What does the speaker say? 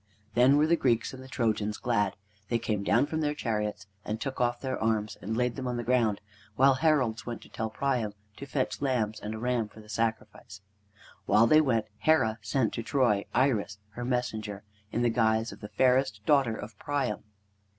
Then were the Greeks and the Trojans glad. They came down from their chariots, and took off their arms, and laid them on the ground, while heralds went to tell Priam and to fetch lambs and a ram for the sacrifice. While they went, Hera sent to Troy Iris, her messenger, in the guise of the fairest daughter of Priam.